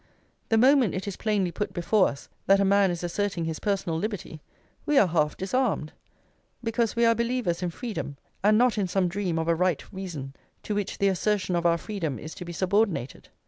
The moment it is plainly put before us that a man is asserting his personal liberty, we are half disarmed; because we are believers in freedom, and not in some dream of a right reason to which the assertion of our freedom is to be subordinated.